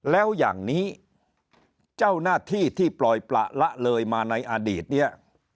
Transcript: แล้วอย่างนี้เจ้าหน้าที่ที่ปล่อยประละเลยมาในอดีตเนี่ย